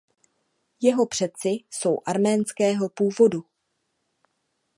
Jeho předci jsou arménského původu.